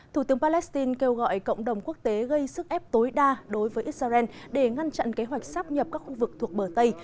thủ tướng palestine kêu gọi cộng đồng quốc tế gây sức ép tối đa đối với israel để ngăn chặn kế hoạch sáp nhập các khu vực thuộc bờ tây